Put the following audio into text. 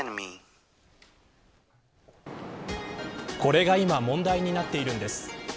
これが今問題になっているんです。